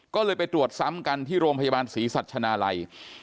ก็เลยไปตรวจซ้ำกันที่โรงพยาบาลศรีสัชนาลัย